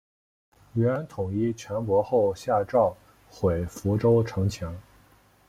元统一全国后下诏毁福州城墙。